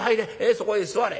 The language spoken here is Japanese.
そこへ座れ。